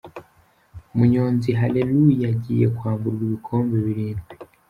Umunyonzi hareluya agiye kwamburwa ibikombe birindwi